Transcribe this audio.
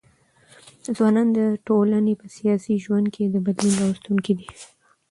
ځوانان د ټولني په سیاسي ژوند ګي د بدلون راوستونکي دي.